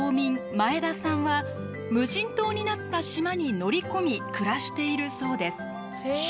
「前田さん」は無人島になった島に乗り込み暮らしているそうです。